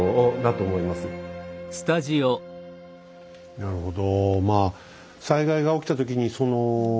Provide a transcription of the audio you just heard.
なるほど。